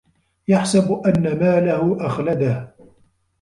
يَحسَبُ أَنَّ مالَهُ أَخلَدَهُ